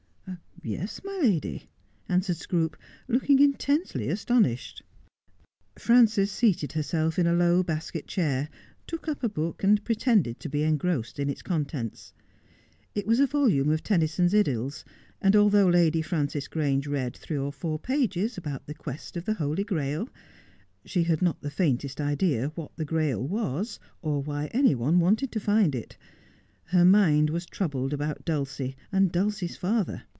' Yes, my lady,' answered Scroope, looking intensely aston ished. Frances seated herself in a low basket chair, took up a book, a.nd pretended to be engrossed in its contents. It was a volume of Tennyson's Idylls, and although Lady Frances Grange read three or four pages about the quest of the Holy Grail, she had not the faintest idea what the Grail was, or why any one wanted to find it. Her mind was troubled about Dulcie and Dulcie's father.